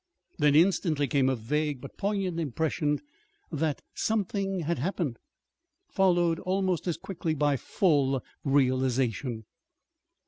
Then instantly came a vague but poignant impression that "something had happened," followed almost as quickly by full realization.